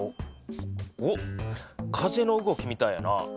風の動きみたいやな。